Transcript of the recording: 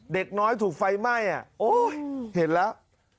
เด็กน้อยถูกไฟไหม้เห็นแล้ว